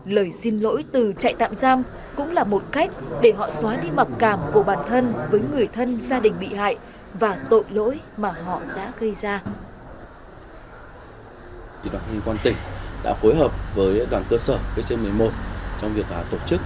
lời xin lỗi từ trại tạm giam cũng là một cách để họ xóa đi mập cảm của bản thân với người thân gia đình bị hại và tội lỗi mà họ đã gây ra